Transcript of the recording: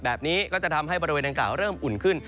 แบบนี้ก็จะทำให้บริเวณดังกล่าวเริ่มอุ่นขึ้น